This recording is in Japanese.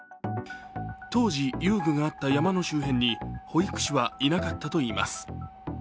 当時、遊具があった山の周辺に保育士はいなかったといいます。